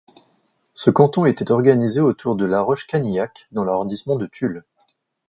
Ce canton était organisé autour de La Roche-Canillac dans l'arrondissement de Tulle.